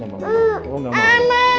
sama papanya juga sini